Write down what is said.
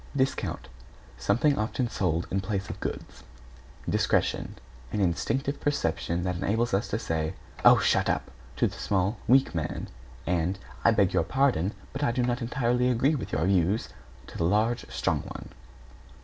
=DISCOUNT= Something often sold in place of goods. =DISCRETION= An instinctive perception that enables us to say, "Oh, shut up!" to the small, weak man, and "I beg your pardon, but I do not entirely agree with your views," to the large, strong one.